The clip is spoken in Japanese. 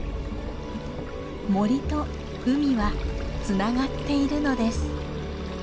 森と海はつながっているのです。